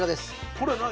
これ何？